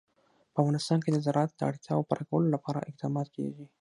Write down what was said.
په افغانستان کې د زراعت د اړتیاوو پوره کولو لپاره اقدامات کېږي.